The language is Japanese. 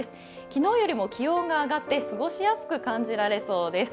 昨日よりも気温が上がって過ごしやすく感じられそうです。